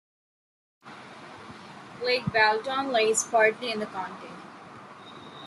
Lake Balaton lies partly in the county.